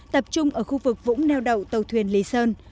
tập trung ở khu vực vũng neo đậu tàu thuyền lý sơn